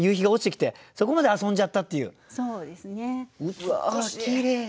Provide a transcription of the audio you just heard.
うわきれい。